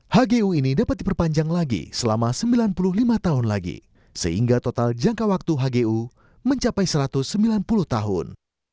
hgu ini dapat diperpanjang lagi selama sembilan puluh lima tahun lagi sehingga total jangka waktu hgu mencapai satu ratus sembilan puluh tahun